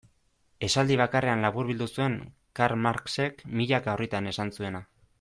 Esaldi bakarrean laburbildu zuen Karl Marxek milaka orritan esan zuena.